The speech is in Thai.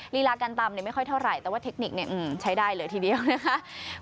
ลีลาการตำไม่ค่อยเท่าไหร่แต่ว่าเทคนิคใช้ได้เลยทีเดียวนะคะ